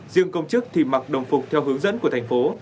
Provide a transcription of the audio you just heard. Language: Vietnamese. riêng công chức thì mặc đồng phục theo hướng dẫn của thành phố